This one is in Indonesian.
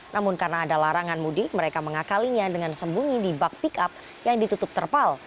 namun karena ada larangan mudik mereka mengakalinya dengan sembunyi di bak pick up yang ditutup terpal